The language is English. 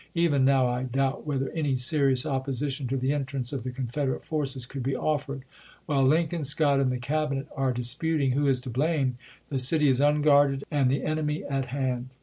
Even now I doubt whether any serious opposition to the entrance of the Confederate forces could be offered. While Lincoln, Scott, and the Cabinet are disputing who is to blame, the city is unguarded and the enemy at hand.